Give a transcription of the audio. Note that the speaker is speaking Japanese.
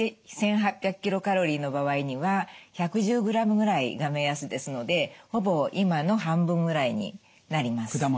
１日１８００ｋｃａｌの場合には１１０ｇぐらいが目安ですのでほぼ今の半分ぐらいになります。